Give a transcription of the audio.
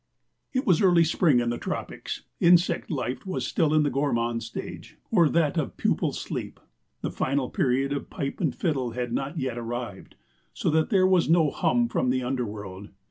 It was early spring in the tropics; insect life was still in the gourmand stage, or that of pupal sleep. The final period of pipe and fiddle had not yet arrived, so that there was no hum from the underworld.